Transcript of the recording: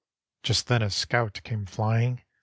Just then a scout came flying.